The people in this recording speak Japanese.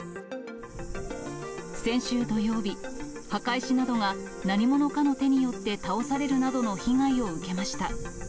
先週土曜日、墓石などが何者かの手によって倒されるなどの被害を受けました。